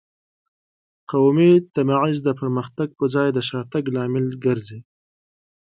قومي تبعیض د پرمختګ په ځای د شاتګ لامل ګرځي.